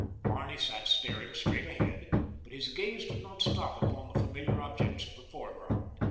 Barney sat staring straight ahead, but his gaze did not stop upon the familiar objects of the foreground.